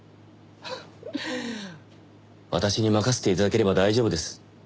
私に任せて頂ければ大丈夫です。